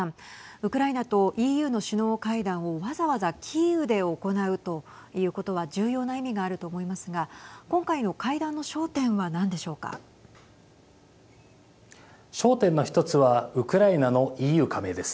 ウクライナとＥＵの首脳会談をわざわざキーウで行うということは重要な意味があると思いますが今回の会談の焦点は焦点の１つはウクライナのＥＵ加盟です。